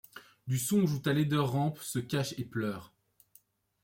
Du songe où ta laideur rampe, se cache et pleure